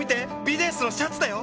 ビデンスのシャツだよ。